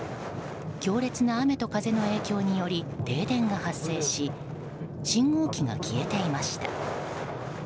強烈な雨と風の影響により停電が発生し信号機が消えていました。